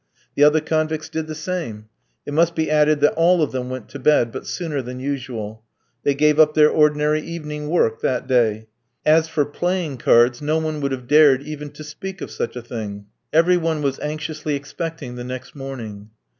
The other convicts did the same. It must be added that all of them went to bed, but sooner than usual. They gave up their ordinary evening work that day. As for playing cards, no one would have dared even to speak of such a thing; every one was anxiously expecting the next morning.